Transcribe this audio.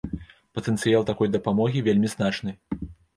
Патэнцыял такой дапамогі вельмі значны.